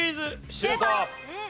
シュート！